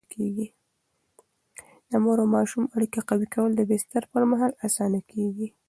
د مور او ماشوم اړیکه قوي کول د بستر پر مهال اسانه کېږي.